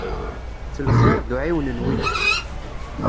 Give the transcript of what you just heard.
S lxir d uɛiwen n wiyiḍ.